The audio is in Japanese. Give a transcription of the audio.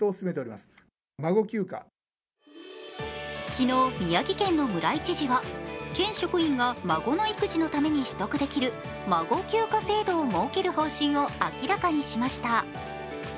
昨日、宮城県の村井知事は県職員が孫の育児のために取得できる孫休暇制度を設ける方針を明らかにしました。